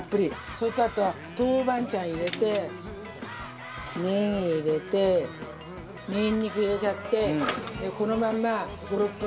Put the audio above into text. それとあとは豆板醤入れてネギ入れてニンニク入れちゃってこのまんま５６分。